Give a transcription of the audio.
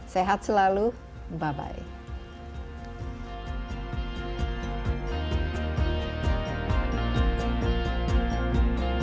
sehat selalu bye bye